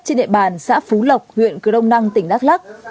trên địa bàn xã phú lộc huyện cứu đông năng tỉnh đắk lắc